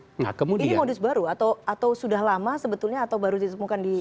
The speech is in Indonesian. ini modus baru atau sudah lama sebetulnya atau baru ditemukan di